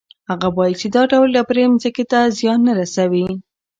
هغه وایي چې دا ډول ډبرې ځمکې ته زیان نه رسوي.